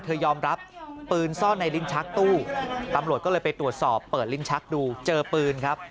ยอมรับปืนซ่อนในลิ้นชักตู้ตำรวจก็เลยไปตรวจสอบเปิดลิ้นชักดูเจอปืนครับ